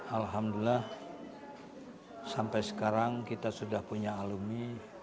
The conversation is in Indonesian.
alhamdulillah sampai sekarang kita sudah punya alumni